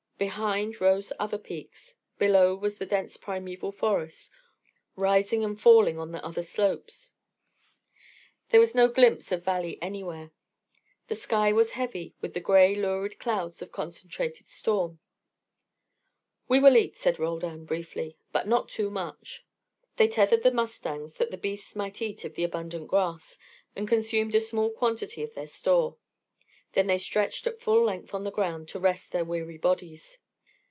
Behind rose other peaks, below was the dense primeval forest, rising and falling on other slopes. There was no glimpse of valley anywhere. The sky was heavy with the grey lurid clouds of concentrated storm. "We will eat," said Roldan, briefly; "but not too much." They tethered the mustangs that the beasts might eat of the abundant grass, and consumed a small quantity of their store. Then they stretched at full length on the ground to rest their weary bodies.